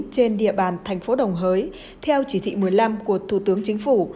trên địa bàn tp đồng hới theo chỉ thị một mươi năm của thủ tướng chính phủ